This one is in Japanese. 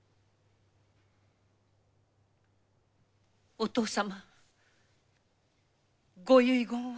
お父様ご遺言は？